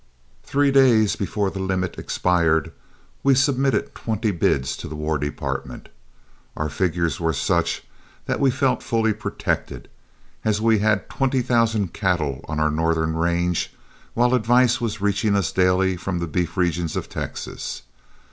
Three days before the limit expired, we submitted twenty bids to the War Department. Our figures were such that we felt fully protected, as we had twenty thousand cattle on our Northern range, while advice was reaching us daily from the beef regions of Texas.